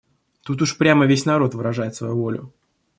Тут уж прямо весь народ выражает свою волю.